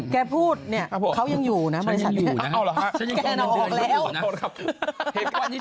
แกพูดเนี่ยเขายังอยู่นะบริษัทนี้แกน่าออกแล้วนะโทษครับ